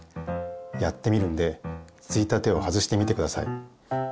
やってみるんでついたてを外してみてください。